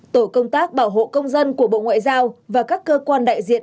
tổ công tác bảo hộ công dân của bộ ngoại giao và các cơ quan đại diện